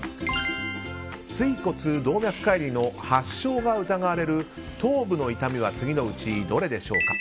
椎骨動脈解離の発症が疑われる頭部の痛みは次のうちどれでしょうか？